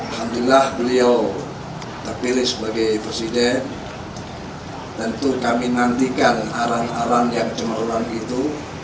alhamdulillah beliau terpilih sebagai presiden tentu kami nantikan arang arang yang cemerlang itu